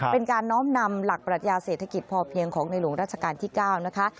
เป็นการน้อมนำหลักปรัชญาเศรษฐกิจพอเพียงของในหลวงราชการที่๙นะคะ